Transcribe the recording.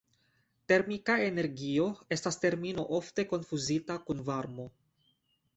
Termika energio estas termino ofte konfuzita kun varmo.